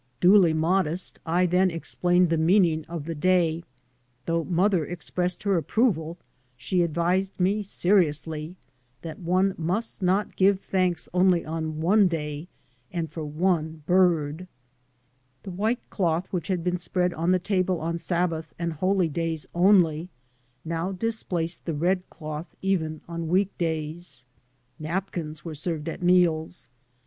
Duly modest, I then explained the meaning of the day; though mother expressed her approval she advised me seriously that one must not give thanks only on one day and for one bird I The white cloth which had been spread on the table on Sabbath and holy days only, now displaced the red cloth even on week days. Napkins were served at meals.